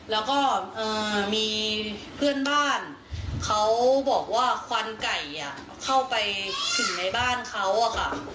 แล้วก็มีเพื่อนบ้านเขาบอกว่าควันไก่เข้าไปถึงในบ้านเขาอะค่ะ